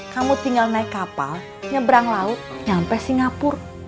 kamu tinggal naik kapal nyebrang laut nyampe singapur